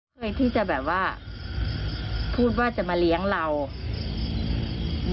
มากับเราเรื่อยแท็กมาเรื่อย